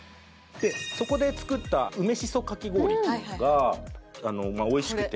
そこで作った梅しそかき氷っていうのがおいしくて。